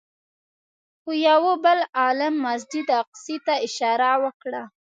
خو یوه بل عالم مسجد اقصی ته اشاره وکړه.